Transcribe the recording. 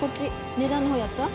値段の方やった？